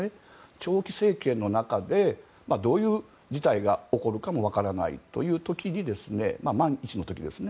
長期政権の中でどういう事態が起こるかも分からないという時に万が一の時にですね。